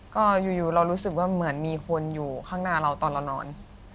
ก็อยู่เรารู้สึกว่าเหมือนมีคนอยู่ข้างหน้าเราตอนเรานอน